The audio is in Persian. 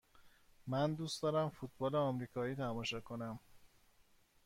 من دوست دارم فوتبال آمریکایی تماشا کنم.